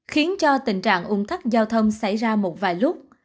khiến cho tình trạng ung tắc giao thông xảy ra một vài lúc